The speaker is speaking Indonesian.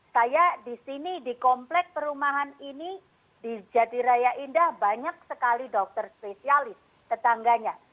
saya di sini di komplek perumahan ini di jatiraya indah banyak sekali dokter spesialis tetangganya